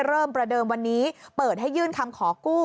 เริ่มประเดิมวันนี้เปิดให้ยื่นคำขอกู้